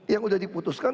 yang sudah diputuskan